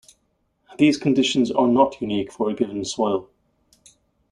These conditions are not unique for a given soil.